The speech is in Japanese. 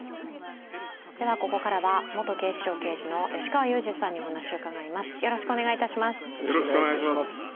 ここからは、元警視庁刑事の吉川祐二さんにお話を伺います。